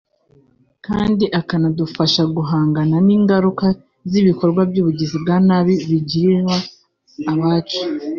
kandi ikanadufasha guhangana n’ingaruka z’ibikorwa by’ubugizi bwa nabi bigiriwa abacu